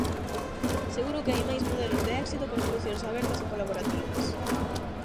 Seguro que hai máis modelos de éxito con solucións abertas e colaborativas.